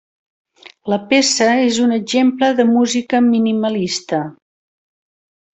La peça és un exemple de música minimalista.